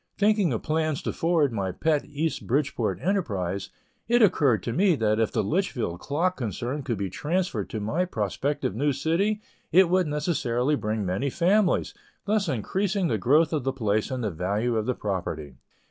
Thinking of plans to forward my pet East Bridgeport enterprise, it occurred to me that if the Litchfield clock concern could be transferred to my prospective new city, it would necessarily bring many families, thus increasing the growth of the place and the value of the property.